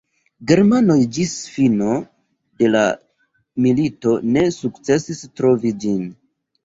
Germanoj ĝis fino de la milito ne sukcesis trovi ĝin.